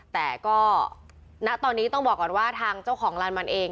แต่ก็ณตอนนี้ต้องบอกก่อนว่าทางเจ้าของลานมันเอง